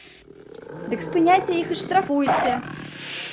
Дык спыняйце іх і штрафуйце!